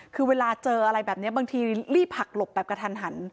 คือเวลาเจออะไรแบบนี้บางทีรีบหักหลบแบบกระทันหัน